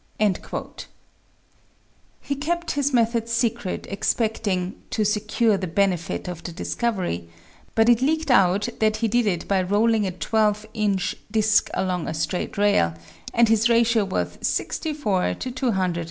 He kept his method secret, expecting "to secure the benefit of the discovery," but it leaked out that he did it by rolling a twelve inch disk along a straight rail, and his ratio was 64 to 201 or 3.